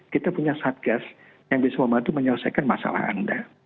kita punya satgas yang bisa membantu menyelesaikan masalah anda